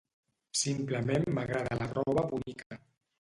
Simplement m'agrada la roba bonica.